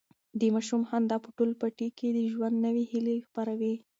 د ماشوم خندا په ټول پټي کې د ژوند نوي هیلې خپرولې.